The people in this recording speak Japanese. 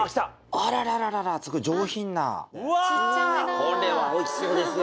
これはおいしそうですよ。